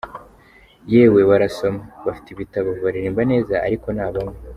Yewe barasoma, bafite ibitabo, baririmba neza ariko ni abanywi, .